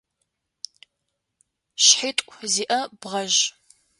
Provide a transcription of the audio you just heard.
Шъхьитӏу зиӏэ бгъэжъ.